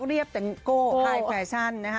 เรียบแต่โก้ไฮแฟชั่นนะคะ